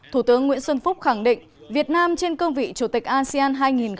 thủ tướng nguyễn xuân phúc khẳng định việt nam trên cương vị chủ tịch asean hai nghìn hai mươi